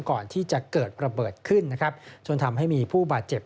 ก่อนที่จะเกิดระเบิดขึ้นนะครับจนทำให้มีผู้บาดเจ็บ